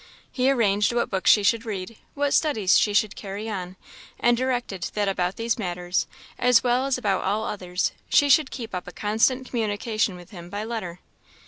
He arranged what books she should read, what studies she should carry on; and directed that about these matters, as well as about all others, she should keep up a constant communication with him by letter.